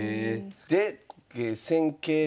で戦型が？